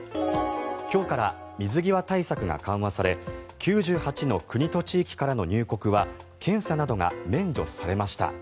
今日から水際対策が緩和され９８の国と地域からの入国は検査などが免除されました。